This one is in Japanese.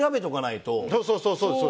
そうそうそうそう！